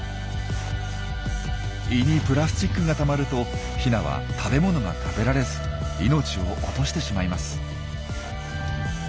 胃にプラスチックがたまるとヒナは食べ物が食べられず命を落としてしまいます。